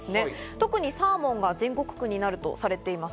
特にサーモンが全国区になるとされています。